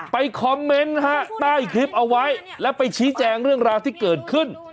คอมเมนต์ฮะใต้คลิปเอาไว้แล้วไปชี้แจงเรื่องราวที่เกิดขึ้น